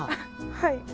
はい。